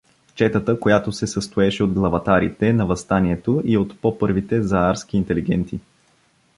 Четата, която се състоеше от главатарите на въстанието и от по-първите заарски интелигенти.